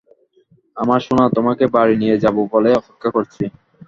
আমার সোনা, তোমাকে বাড়ি নিয়ে যাবো বলে অপেক্ষা করছি।